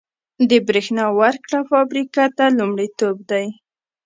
د بریښنا ورکړه فابریکو ته لومړیتوب دی